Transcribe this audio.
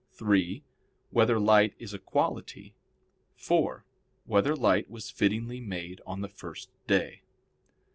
(3) Whether light is a quality? (4) Whether light was fittingly made on the first day?